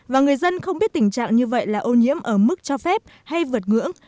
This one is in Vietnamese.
và người dân không biết tình trạng như vậy là ô nhiễm ở mức cho phép hay vượt ngưỡng